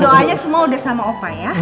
doanya semua udah sama opa ya